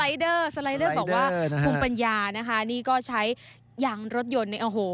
นี่สไลเดอร์บอกว่าภูมิปัญญานะฮะนี่ก็ใช้ยางรถยนต์โอ้โห